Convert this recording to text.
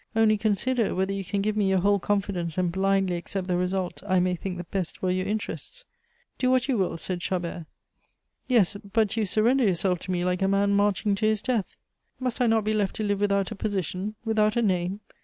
Only, consider whether you can give me your whole confidence and blindly accept the result I may think best for your interests." "Do what you will," said Chabert. "Yes, but you surrender yourself to me like a man marching to his death." "Must I not be left to live without a position, without a name?